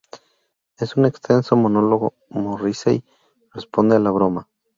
En un extenso monólogo, Morrissey responde a la broma.